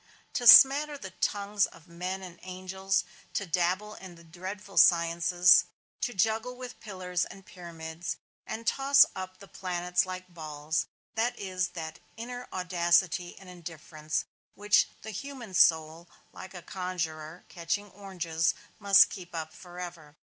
To smatter the tongues of men and angels, to dabble in the dreadful sciences, to juggle with pillars and pyramids and toss up the planets like balls, this is that inner audacity and indifference which the human soul, like a conjurer catching oranges, must keep up forever.